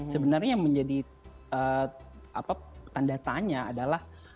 sebenarnya yang menjadi tanda tanya adalah